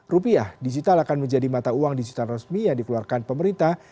rupiah digital akan menjadi mata uang digital resmi yang dikeluarkan pemerintah